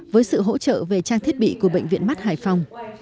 với sự hỗ trợ về trang thiết bị của bệnh viện mắt hải phòng